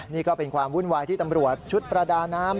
นี่ก็เป็นความวุ่นวายที่ตำรวจชุดประดาน้ำ